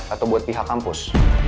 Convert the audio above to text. atau buat pihak kampus